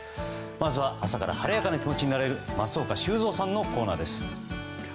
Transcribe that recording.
まずは朝から晴れやかな気持ちになれる松岡修造さんのコーナーです。